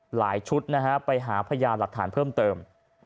หลายชุดนะฮะไปหาพยานหลักฐานเพิ่มเติม